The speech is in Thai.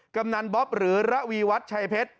กำนันบ๊อบหรือระวีวัฒน์ชัยเพชร